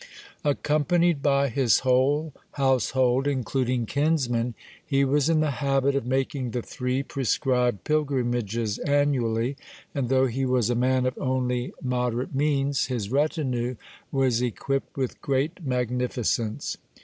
Accompanied by his whole household, including kinsmen, he was in the habit of making the three prescribed pilgrimages annually, and though he was a man of only moderate means, (4) his retinue was equipped with great magnificence.